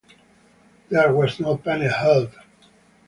There was no panel held.